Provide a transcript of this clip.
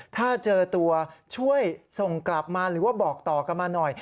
ถ้าเจอตัวช่วยส่งกลับมาหรือว่าบอกต่อกันมาหน่อย